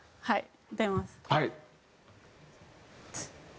はい。